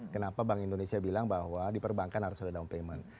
kenapa bank indonesia bilang bahwa di perbankan harus ada down payment